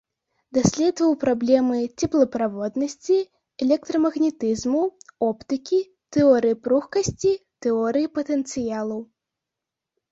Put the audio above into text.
Даследаваў праблемы цеплаправоднасці, электрамагнетызму, оптыкі, тэорыі пругкасці, тэорыі патэнцыялу.